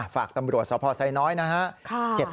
ฝากตำรวจสอบพ่อใส่น้อยนะฮะ